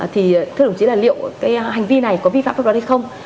thì thưa đồng chí là liệu cái hành vi này có vi phạm pháp luật hay không